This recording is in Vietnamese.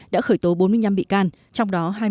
đã khởi tố bốn mươi năm bị can trong đó